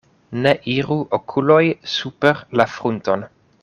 Ne iru okuloj super la frunton.